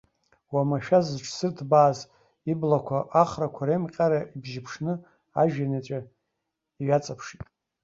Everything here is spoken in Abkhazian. Уамашәа зыҽзырҭбааз иблақәа, ахрақәа реимҟьара ибжьыԥшны ажәҩан иаҵәа иҩаҵаԥшит.